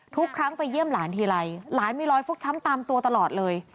ทุกครั้งไปเยี่ยมหลานทีไรหลานมีรอยฟกช้ำตามตัวตลอดเลย